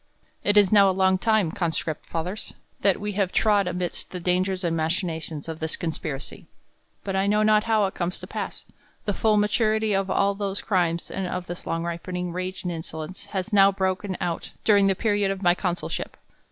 TT is now a long time, conscript fathers, that we JL have trod amidst the dangers and machinations of this conspiracy : but I know not how it comes to pass, the full maturity of all those crimes, and of this long ripenmg.rage and insolence, has now broken out du ring the period of my consulship.